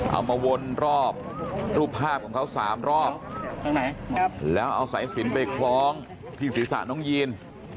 เอามาวนรอบรูปภาพของเขา๓รอบแล้วเอาสายสินไปคล้องที่ศีรษะน้องยีน